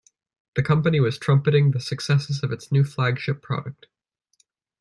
The company was trumpeting the successes of its new flagship product.